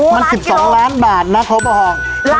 มัน๑๒ล้านบาทนะครบห่อง